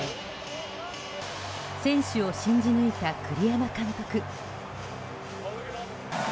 選手を信じ抜いた栗山監督。